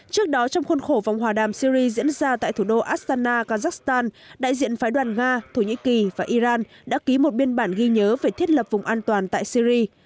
trước đó trong khuôn khổ vòng hòa đàm syri diễn ra tại thủ đô astana kazakhstan đại diện phái đoàn nga thổ nhĩ kỳ và iran đã ký một biên bản ghi nhớ về thiết lập vùng an toàn tại syri